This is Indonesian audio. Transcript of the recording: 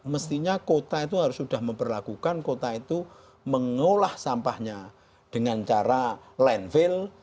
mestinya kota itu harus sudah memperlakukan kota itu mengolah sampahnya dengan cara landfill